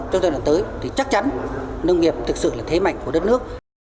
chắc chắn nông nghiệp thực sự là thế mạnh của đất nước